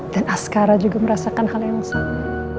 dan askara juga merasakan hal yang sama